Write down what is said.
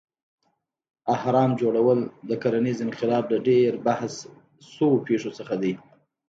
اهرام جوړول د کرنیز انقلاب له ډېر بحث شوو پېښو څخه دی.